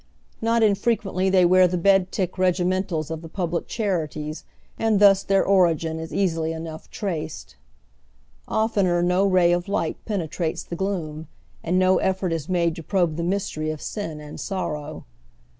Kot infrequently they wear the bed tick regimentals of the Public Charities, and thus their origin is easily enough traced. Oftener no ray of light penetrates thegloom, and no effort is made to probe the mystery of sin and sorrow.